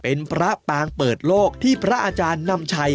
เป็นพระปางเปิดโลกที่พระอาจารย์นำชัย